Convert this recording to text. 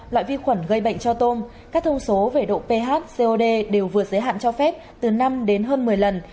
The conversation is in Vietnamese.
loại vi khuẩn gây bệnh cho tôm các thông số về độ ph cod đều vượt giới hạn cho phép từ năm đến hơn một mươi lần